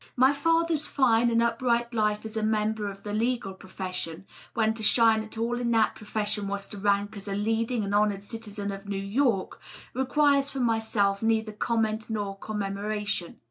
My father^s fine and upright life as a member of the legal profession, when to shine at all in that profession was to rank as a leading and honored citizen of New York, requires from myself neither comment nor commemoration.